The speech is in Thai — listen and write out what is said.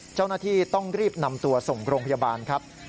เจ้าหน้าที่ต้องรีบนำตัวส่งโรงพยาบาลครับ